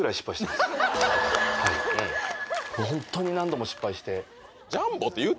ホントに何度も失敗して。